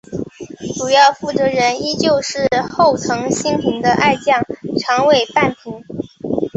主要负责人依旧是后藤新平的爱将长尾半平。